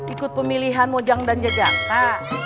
ikut pemilihan mojang dan jajaka